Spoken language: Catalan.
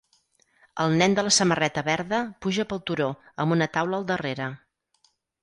El nen de la samarreta verda puja pel turó amb una taula al darrere.